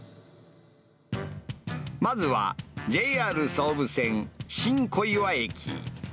まずは、ＪＲ総武線新小岩駅。